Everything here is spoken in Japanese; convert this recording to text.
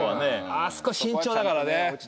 あそこ慎重だからね。